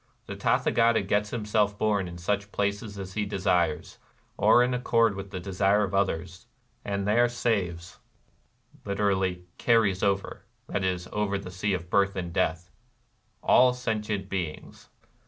... The Tathagata gets himself bom in such places as he desires, or in accord with the desire of others, and there saves [lit., ' carries over '— that is, over the Sea of Birth and Death] all sentient beings.